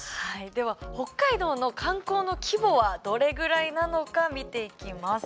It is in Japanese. では北海道の観光の規模はどれぐらいなのか見ていきます。